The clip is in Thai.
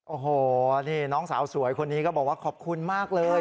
โอ้โหนี่น้องสาวสวยคนนี้ก็บอกว่าขอบคุณมากเลย